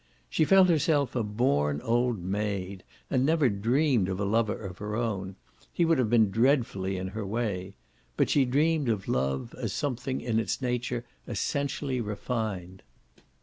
She felt herself a born old maid and never dreamed of a lover of her own he would have been dreadfully in her way; but she dreamed of love as something in its nature essentially refined.